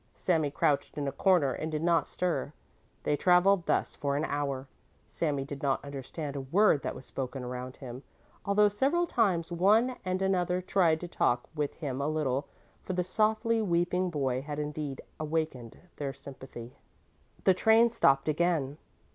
Sami crouched in a corner and did not stir. They travelled thus for an hour. Sami did not understand a word that was spoken around him, although several times one and another tried to talk with him a little, for the softly weeping boy had indeed awakened their sympathy. The train stopped again.